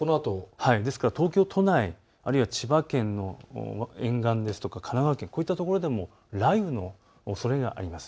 ですから東京都内、あるいは千葉県の沿岸ですとか神奈川県、こういった所でも雷雨のおそれがあります。